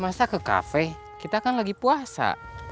masa ke kafe kita kan lagi puasa